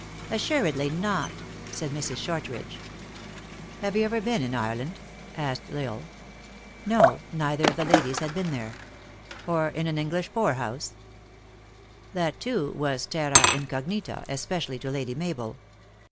" Assuredly not," said Mrs. Shortridge. " Have you ever been in Ireland ?" asked L Isle. No, neither of the ladies had been there. " Or in an English poor house ?" Thatj too, was terra incognita, especially to Lady Mabel.